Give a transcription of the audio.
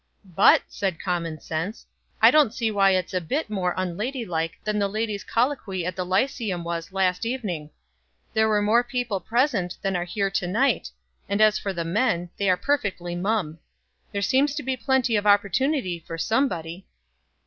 "But," said common sense, "I don't see why it's a bit more unladylike than the ladies' colloquy at the lyceum was last evening. There were more people present than are here tonight; and as for the men, they are perfectly mum. There seems to be plenty of opportunity for somebody."